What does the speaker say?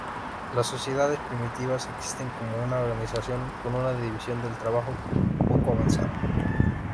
Las sociedades primitivas existen como una organización con una división del trabajo poco avanzada.